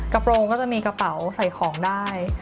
กระโปรงก็จะมีกระเป๋าใส่ของได้